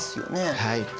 はい。